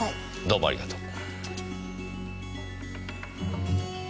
どうもありがとう。